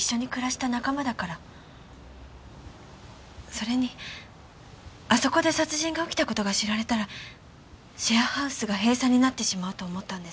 それにあそこで殺人が起きた事が知られたらシェアハウスが閉鎖になってしまうと思ったんです。